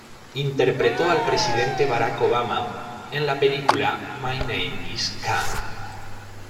Interpretó al presidente Barack Obama en la película "My Name Is Khan".